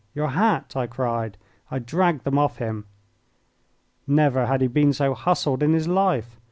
your hat!" I cried. I dragged them off him. Never had he been so hustled in his life.